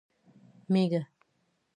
🐑 مېږه